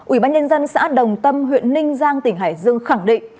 ủy ban nhân dân xã đồng tâm huyện ninh giang tỉnh hải dương khẳng định